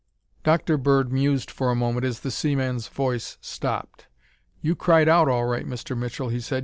Dr. Bird mused for a moment as the seaman's voice stopped. "You cried out all right, Mr. Mitchell," he said.